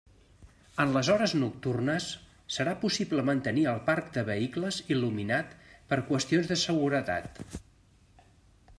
En les hores nocturnes serà possible mantenir el parc de vehicles il·luminat per qüestions de seguretat.